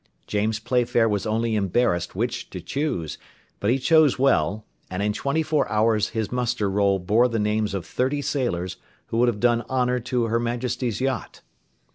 James Playfair was only embarrassed which to choose, but he chose well, and in twenty four hours his muster roll bore the names of thirty sailors who would have done honour to her Majesty's yacht.